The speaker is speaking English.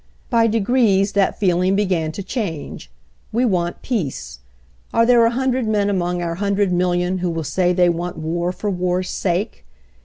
By degrees that feeling began to change. We want peace. Are there a hundred men among our hundred million who will say they want war for war's sake?